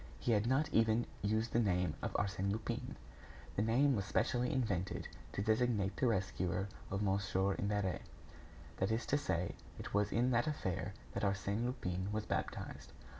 He had not even used the name of Arsène Lupin. The name was specially invented to designate the rescuer of Mon. Imbert; that is to say, it was in that affair that Arsène Lupin was baptized.